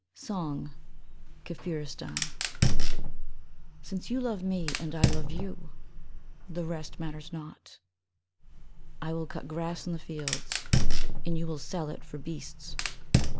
SONG. SINCE you love me and I love you The rest matters not ; I will cut grass in the fields And you will sell it for beasts.